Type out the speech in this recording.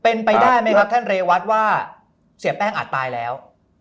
เป็นไปได้ไหมครับท่านเรวัตว่าเสียแป้งอาจตายแล้ว